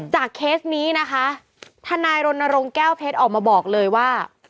เคสนี้นะคะทนายรณรงค์แก้วเพชรออกมาบอกเลยว่า